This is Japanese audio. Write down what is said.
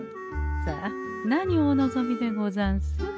さあ何をお望みでござんす？